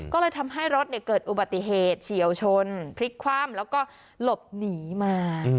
ก็เลยทำให้รถเกิดอุบัติเหตุเฉียวชนพลิกคว่ำแล้วก็หลบหนีมา